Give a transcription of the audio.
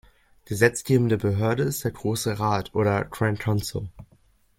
Gesetzgebende Behörde ist der "Grosse Rat" oder "Grand Conseil".